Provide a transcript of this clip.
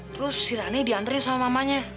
terus si rani diantri sama mamanya